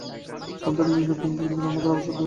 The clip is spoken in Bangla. শান্ত নির্বিঘ্ন ঘুম কিন্তু রান্নাঘরে আবার শব্দ হচ্ছে।